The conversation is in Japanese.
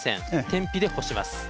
天日で干します。